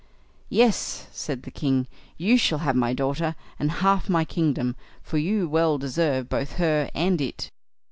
"Yes!" said the king; "you shall have my daughter, and half my kingdom, for you well deserve both her and it."